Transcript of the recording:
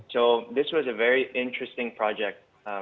jadi ini adalah proyek yang sangat menarik